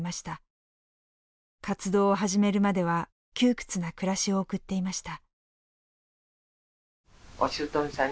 活動を始めるまでは窮屈な暮らしを送っていました。